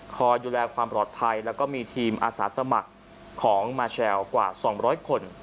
คอยดูแลความปลอดภัยแล้วก็มีทีมอาสาสมัครของมาเชลกว่า๒๐๐คน